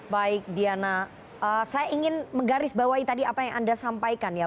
baik diana saya ingin menggarisbawahi tadi apa yang anda sampaikan ya